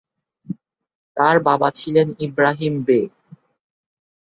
তাঁর বাবা ছিলেন ইব্রাহিম বে।